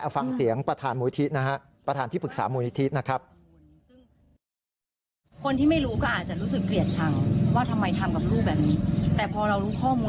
เอาฟังเสียงประธานมูลิธิบอกประธานที่ปรึกษามูลิธิบอก